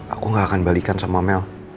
aku gak akan balikan sama mel